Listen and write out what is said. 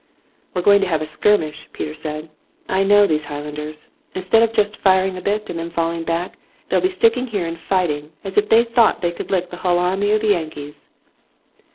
"We're going to have a skirmish," Peter said. "I know these Highlanders. Instead of jest firing a bit and then falling back, they'll be sticking here and fighting as if they thought they could lick the hull army of the Yankees."